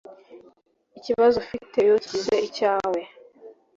ikibazo ufite iyo ukigize icyawe